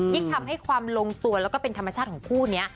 ยิ่งทำให้ความลงตัวแล้วก็เป็นธรรมชาติของคู่นี้